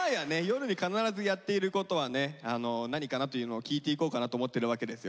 夜に必ずやっていることはね何かなというのを聞いていこうかなと思ってるわけですよ。